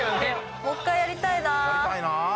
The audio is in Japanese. もう１回やりたいな。